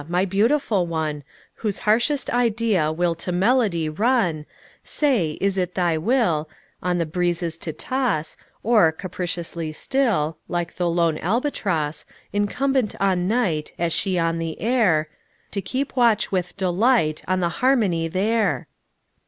My beautiful one, Whose harshest idea Will to melody run, Say, is it thy will, On the breezes to toss, Or, capriciously still, Like the lone albatross, Incumbent on night, As she on the air, To keep watch with delight On the harmony there?